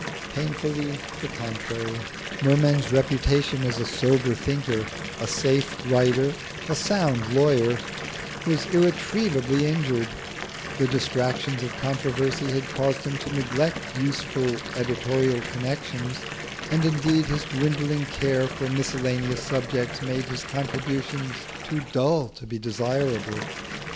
Painfully the contrary. Merman's reputation as a sober thinker, a safe writer, a sound lawyer, was irretrievably injured: the distractions of controversy had caused him to neglect useful editorial connections, and indeed his dwindling care for miscellaneous subjects made his contributions too dull to be desirable.